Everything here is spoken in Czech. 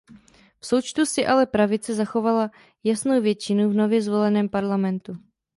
V součtu si ale pravice zachovala jasnou většinu v nově zvoleném parlamentu.